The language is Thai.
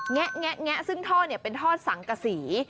แงะซึ่งท่อเป็นท่อสังกษี